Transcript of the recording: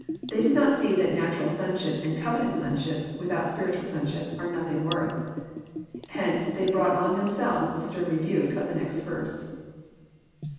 Tbey did not 866 that national sonsliip and covenant sonship with out spiritual sonship, are nothing worth. Hence they brought on themselves the stern rebuke of the next verse.